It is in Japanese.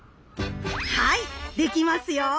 はいできますよ！